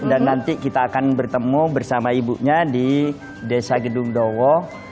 dan nanti kita akan bertemu bersama ibunya di desa gedung dowo